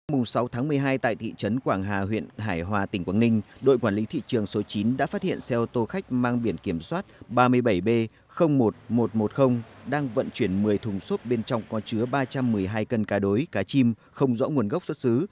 mùng sáu tháng một mươi hai tại thị trấn quảng hà huyện hải hòa tỉnh quảng ninh đội quản lý thị trường số chín đã phát hiện xe ô tô khách mang biển kiểm soát ba mươi bảy b một nghìn một trăm một mươi đang vận chuyển một mươi thùng xốp bên trong có chứa ba trăm một mươi hai cân cá đối cá chim không rõ nguồn gốc xuất xứ